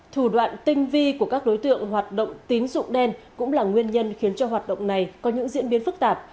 thủ đoạn tinh vi của các đối tượng hoạt động tín dụng đen cũng là nguyên nhân khiến cho hoạt động này có những diễn biến phức tạp